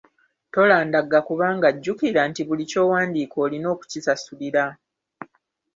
Tolandagga kubanga jjukira nti buli ky'owandiika olina okukisasulira.